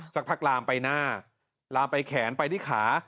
สักพักลามไปหน้าลามไปแขนไปที่ขา